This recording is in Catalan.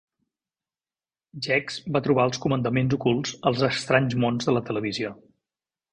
Gex va trobar els comandaments ocults als estranys mons de la televisió.